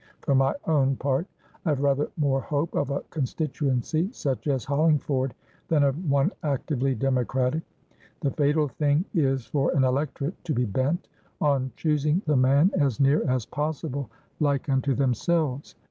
For my own part, I have rather more hope of a constituency such as Hollingford, than of one actively democratic. The fatal thing is for an electorate to be bent on choosing the man as near as possible like unto themselves.